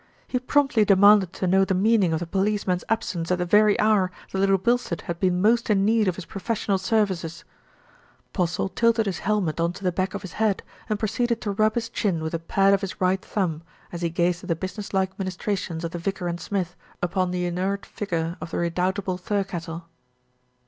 He promptly demanded to know the meaning of the police man's absence at the very hour that Little Bilstead had been most in need of his professional services. MARJORIE HEARS THE NEWS 309 Postle tilted his helmet on to the back of his head, and proceeded to rub his chin with the pad of his right thumb, as he gazed at the business like ministrations of the vicar and Smith upon the inert figure of the re doubtable Thirkettle.